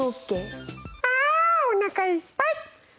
ああおなかいっぱい！